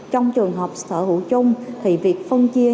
trong trường hợp sở hữu chung thì việc phân chia